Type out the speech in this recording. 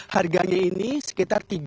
harganya ini sekitar rp tiga